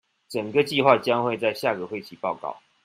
整個計畫將會在下個會期報告